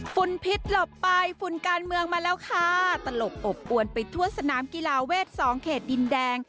พิษหลบไปฝุ่นการเมืองมาแล้วค่ะตลบอบอวนไปทั่วสนามกีฬาเวทสองเขตดินแดง